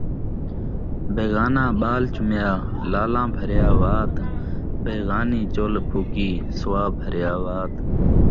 بغاناں ٻال چُمیا، لالاں بھریا وات، بغانی چُلھ پھوکی سؤا بھریا وات